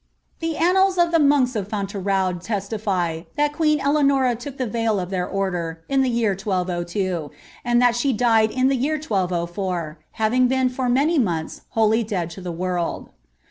The annals of the monks of Fonlevraiid testify, that queen Elmaoii took the veil of their order, in ihe year 1202, and that she died in thr year 1204, having been for many months wholly dead to the world.